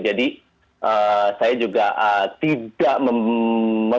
jadi saya juga tidak meminta bantuan